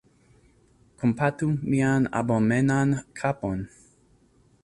Kompatu mian abomenan kapon!